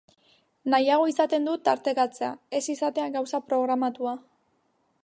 Nahiago izaten dut tartekatzea, ez izatea gauza programatua.